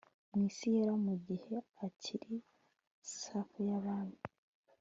Mwisi Yera mugihe akiri serf yabami